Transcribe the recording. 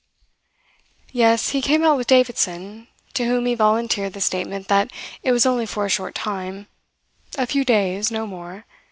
Yes, he came out with Davidson, to whom he volunteered the statement that it was only for a short time a few days, no more.